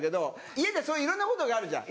家でそういういろんなことがあるじゃん